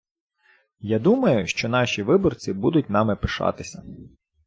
Я думаю, що наші виборці будуть нами пишатися.